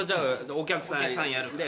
お客さんやるから。